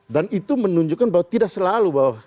dan itu menunjukkan bahwa tidak selalu bahwa